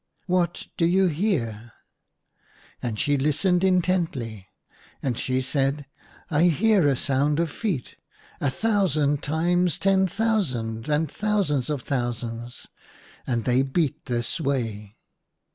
what do you hear }" And^ she listened intently, and she said, " I hear a sound of feet, a thousand times ten thousand and 6 82 THREE DREAMS IN A DESERT. thousands of thousands, and they beat this way